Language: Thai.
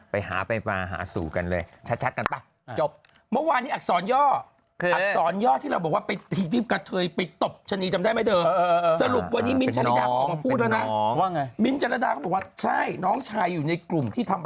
ไปหาสู่กันเลยชัดกันไปเหนิดนึงน้องชายอยู่ในกลุ่มที่ทำ